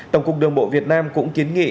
tổng cục đường bộ việt nam cũng kiến nghị